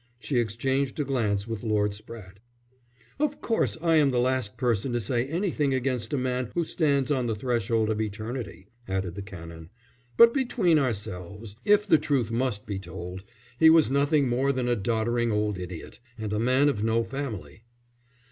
She exchanged a glance with Lord Spratte. "Of course I am the last person to say anything against a man who stands on the threshold of eternity," added the Canon. "But between ourselves, if the truth must be told he was nothing more than a doddering old idiot. And a man of no family."